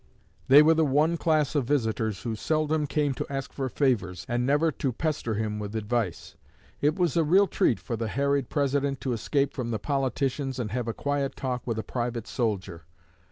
They were the one class of visitors who seldom came to ask for favors, and never to pester him with advice. It was a real treat for the harried President to escape from the politicians and have a quiet talk with a private soldier.